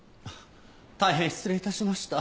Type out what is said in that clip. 大変失礼致しました。